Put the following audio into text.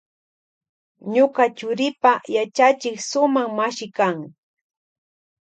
Ñuka churipa yachachik sumak mashi kan.